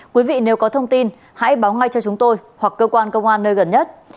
quý vị nếu có thông tin hãy báo ngay cho chúng tôi hoặc cơ quan công an nơi gần nhất